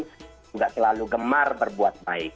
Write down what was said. dan juga selalu gemar berbuat baik